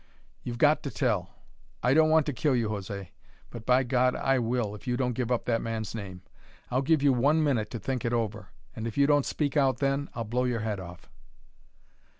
You've got to tell! I don't want to kill you, José; but, by God! I will, if you don't give up that man's name. I'll give you one minute to think it over; and if you don't speak out then, I'll blow your head off."